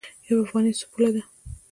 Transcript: یوه افغانۍ څو پوله ده؟